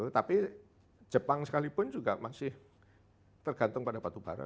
tapi jepang sekalipun juga masih tergantung pada batubara